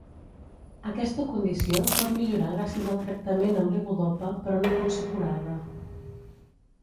Aquesta condició pot millorar gràcies al tractament amb levodopa però no pot ser curada.